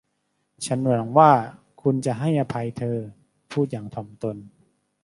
ฉันหวังว่าคุณจะให้อภัยฉันเธอพูดอย่างถ่อมตน